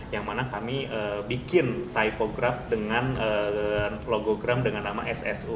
yang mana kami bikin taipograf dengan logogram dengan nama ssu